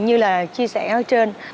như là chia sẻ ở trên